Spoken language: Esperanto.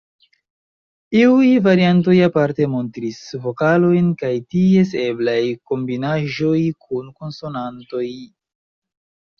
Iuj variantoj aparte montris vokalojn kaj ties eblaj kombinaĵoj kun konsonantoj.